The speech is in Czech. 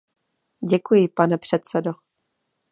Děkuji, pane předsedo.